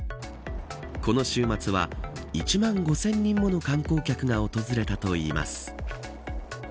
この週末は１万５０００人もの観光客が訪れたといいます。